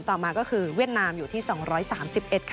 ก็จะเมื่อวันนี้ตอนหลังจดเกม